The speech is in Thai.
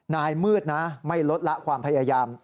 มืดนะไม่ลดละความพยายาม